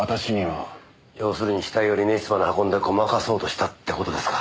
要するに死体をリネン室まで運んでごまかそうとしたって事ですか。